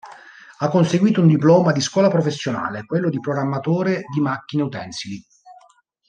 Ha conseguito un diploma di scuola professionale, quello di programmatore di macchine utensili.